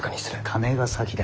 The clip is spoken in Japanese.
金が先だ。